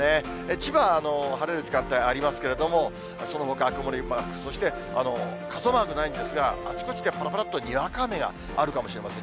千葉は晴れる時間帯ありますけれども、そのほか曇りマーク、そして、傘マークないんですが、あちこちでぱらぱらっと、にわか雨があるかもしれません。